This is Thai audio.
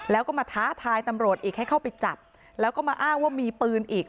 แล้วก็มาท้าทายตำรวจอีกให้เข้าไปจับแล้วก็มาอ้างว่ามีปืนอีก